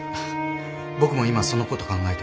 僕も今そのこと考えてました。